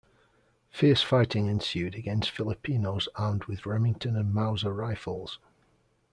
Fierce fighting ensued against Filipinos armed with Remington and Mauser rifles.